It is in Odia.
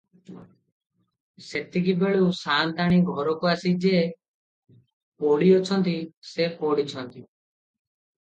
ସେତିକିବେଳୁ ସାଆନ୍ତାଣୀ ଘରକୁ ଆସି ଯେ ପଡିଅଛନ୍ତି, ସେ ପଡ଼ିଛନ୍ତି ।